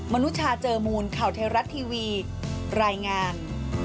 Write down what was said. นุชาเจอมูลข่าวเทราะทีวีรายงาน